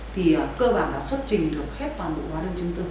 thì cơ bản là xuất trình được hết toàn bộ hóa đơn chứng từ